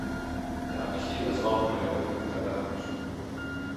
Já bych jej nazval projevem zdravého rozumu.